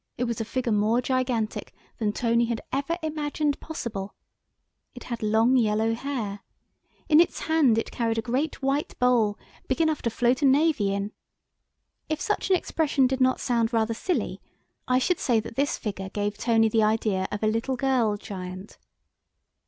It was a figure more gigantic than Tony had ever imagined possible. It had long yellow hair. In its hand it carried a great white bowl, big enough to float a navy in. If such an expression did not sound rather silly, I should say that this figure gave Tony the idea of a little girl giant.